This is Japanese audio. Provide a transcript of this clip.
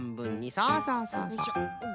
そうそうそうそう。